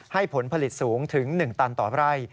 ให้ผลผลิตสูงถึง๑ตันต่อไฟร่าย